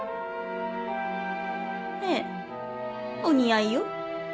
ええお似合いよ。